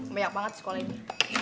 banyak banget sekolah ini